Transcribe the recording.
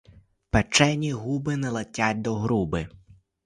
Печені губи не летять до груби.